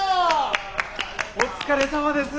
お疲れさまでした！